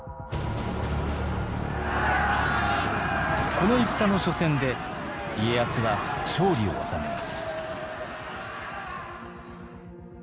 この戦の緒戦で家康は勝利を収めます。